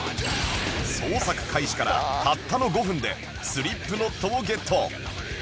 捜索開始からたったの５分で Ｓｌｉｐｋｎｏｔ をゲット